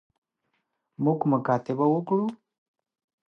موږ مکاتبه وکړو.